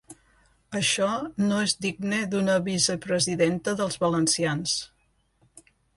Això no és digne d'una vicepresidenta dels valencians.